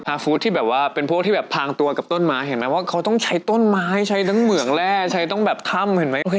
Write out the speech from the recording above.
ฟู้ดที่แบบว่าเป็นพวกที่แบบพลางตัวกับต้นไม้เห็นไหมว่าเขาต้องใช้ต้นไม้ใช้ทั้งเหมืองแร่ใช้ทั้งแบบถ้ำเห็นไหม